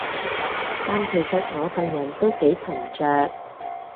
但其實我份人都幾沉着